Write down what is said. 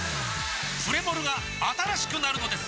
プレモルが新しくなるのです！